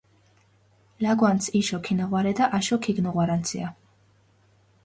ლაგვანც იშო ქინაღვარედა აშო ქინგოღვარანცია.